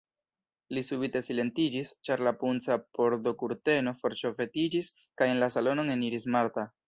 Li subite silentiĝis, ĉar la punca pordokurteno forŝovetiĝis kaj en la salonon eniris Marta.